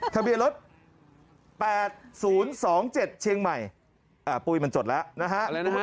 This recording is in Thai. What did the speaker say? ทะเบียนรถ๘๐๒๗เชียงใหม่ปุ้ยมันจดแล้วนะฮะ